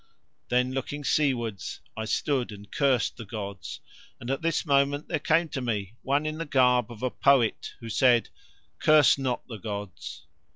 Then looking seawards I stood and cursed the gods, and at this moment there came to me one in the garb of a poet, who said:— "Curse not the gods."